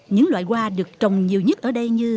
những loại hoa được trồng nhiều nhất ở đây như